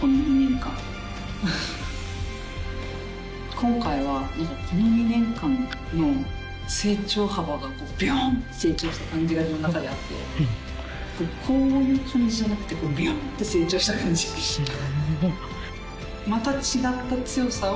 今回はこの２年間の成長幅がビョーンと成長した感じが自分の中であって。こういう感じじゃなくてこうビョーンって成長した感じ。って思ってるし。